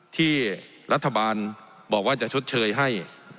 ที่รัฐบาลบอกว่าจะชดเชยให้